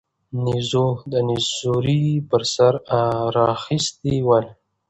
نيزو به نيزوړي پر سر را اخيستي ول